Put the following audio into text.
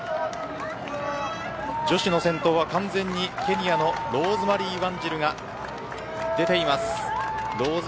女子の先頭は完全にケニアのローズマリー・ワンジルが出ています。